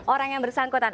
orang yang bersangkutan